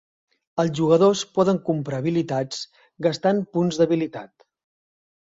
Els jugadors poden comprar habilitats gastant punts d'habilitat.